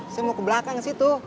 saya mau ke belakang ke situ